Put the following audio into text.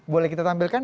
boleh kita tampilkan